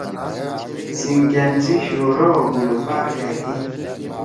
سیِنکیأن سی شعراء او گلوکار أ تھی۔